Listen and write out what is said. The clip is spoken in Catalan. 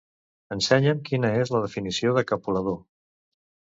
Ensenya'm quina és la definició de capolador.